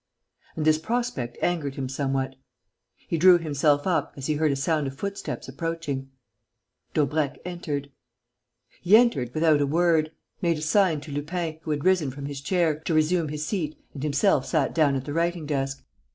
And this prospect angered him somewhat. He drew himself up, as he heard a sound of footsteps approaching. Daubrecq entered. He entered without a word, made a sign to Lupin, who had risen from his chair, to resume his seat and himself sat down at the writing desk.